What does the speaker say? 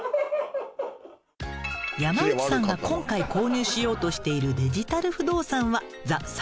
山内さんが今回購入しようとしているデジタル不動産はＴｈｅＳａｎｄｂｏｘ。